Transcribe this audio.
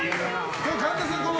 神田さん